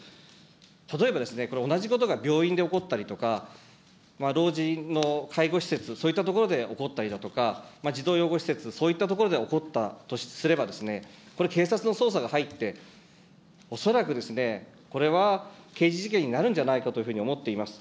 例えばですね、これ、同じことが病院で起こったりとか、老人の介護施設、そういった所で起こったりだとか、児童養護施設、そういった所で起こったとすればですね、これ、警察の捜査が入って、恐らくこれは刑事事件になるんじゃないかというふうに思っています。